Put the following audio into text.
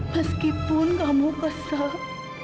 meskipun kamu besar